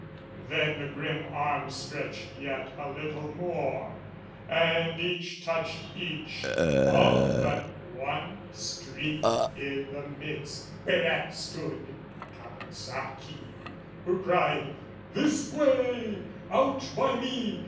Then the grim arms stretched yet a little more And each touched each, all but one streak i' the midst, Whereat stood Caponsacchi, who cried, "This way, "Out by me!